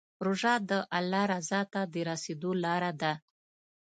روژه د الله رضا ته د رسېدو لاره ده.